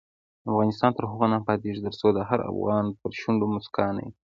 افغانستان تر هغو نه ابادیږي، ترڅو د هر افغان پر شونډو مسکا نه وي.